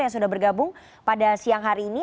yang sudah bergabung pada siang hari ini